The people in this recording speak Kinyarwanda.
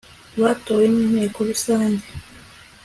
batowe n Inteko Rusange